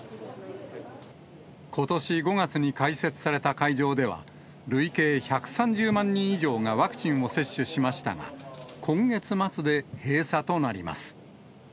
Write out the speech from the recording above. ことし５月に開設された会場では、累計１３０万人以上がワクチンを接種しましたが、今月末で閉鎖となります。